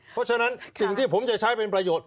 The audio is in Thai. เพราะฉะนั้นสิ่งที่ผมจะใช้เป็นประโยชน